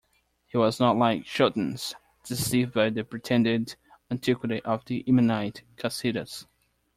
He was not, like Schultens, deceived by the pretended antiquity of the Yemenite "Kasidas".